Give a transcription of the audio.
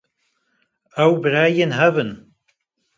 Ew birayên hev in